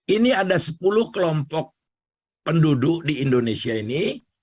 ini ada sepuluh kelompok penduduk di indonesia ini